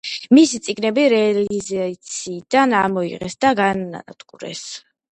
მისი წიგნები რეალიზაციიდან ამოიღეს და გაანადგურეს.